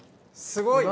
すごい！